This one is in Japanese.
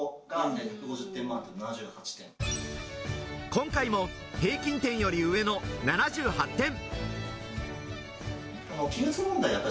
今回も平均点より上の７８点。